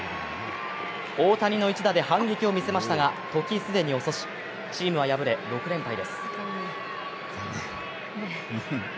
大谷の１打で反撃を見せましたが、時既に遅しチームは敗れ、６連敗です。